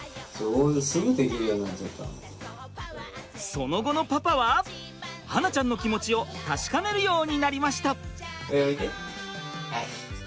その後のパパは巴梛ちゃんの気持ちを確かめるようになりました。